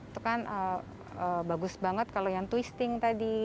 itu kan bagus banget kalau yang twisting tadi